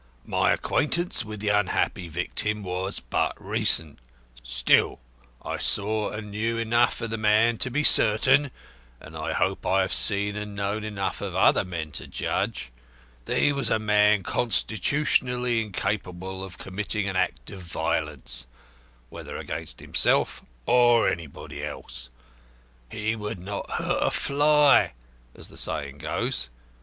My acquaintance with the unhappy victim was but recent; still, I saw and knew enough of the man to be certain (and I hope I have seen and known enough of other men to judge) that he was a man constitutionally incapable of committing an act of violence, whether against himself or anybody else. He would not hurt a fly, as the saying goes.